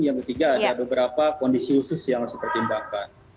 yang ketiga ada beberapa kondisi khusus yang harus dipertimbangkan